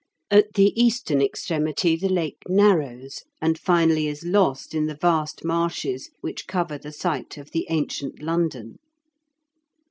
At the eastern extremity the Lake narrows, and finally is lost in the vast marshes which cover the site of the ancient London.